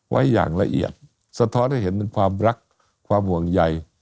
ไว้อย่างละเอียดสะท้อนให้เห็นถึงความรักความห่วงใย